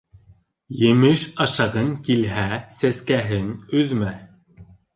Емеш ашағың килһә, сәскәһен өҙмә.